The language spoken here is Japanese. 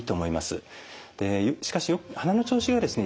しかし鼻の調子がですね